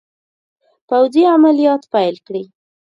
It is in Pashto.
پوځي عملیات پیل کړي.